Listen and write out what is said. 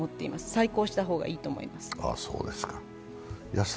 再考した方がいいと思います。